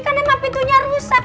kan emang pintunya rusak